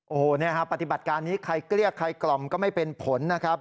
โอ้โหปฏิบัติการนี้ใครเกลี้ยใครกล่อมก็ไม่เป็นผลนะครับ